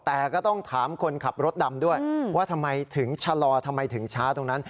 แต่ก็ต้องถามคนขับรถดำด้วยว่าทำไมถึงชะลอทำไมถึงช้าตรงนั้น